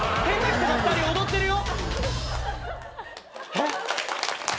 えっ？